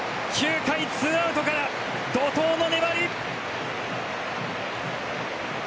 ９回２アウトから怒涛の粘り！